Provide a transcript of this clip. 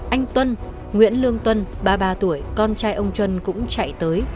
anh tuân nguyễn lương tuân ba mươi ba tuổi con trai ông trân cũng chạy tới